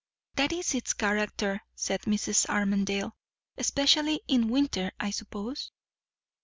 "That is its character," said Mrs. Armadale. "Especially in winter, I suppose?"